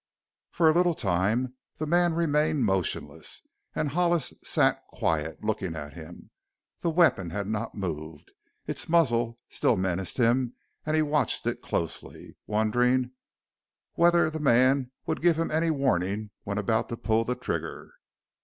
For a little time the man remained motionless and Hollis sat quiet, looking at him. The weapon had not moved; its muzzle still menaced him and he watched it closely, wondering whether the man would give him any warning when about to pull the trigger.